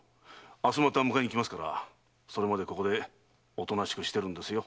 明日また迎えに来ますからそれまでここでおとなしくしてるんですよ。